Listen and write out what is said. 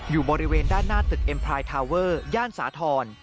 อยู่บริเวณด้านหน้าตึกเอ็มพลายทาเวอร์ย่านสาธรณ์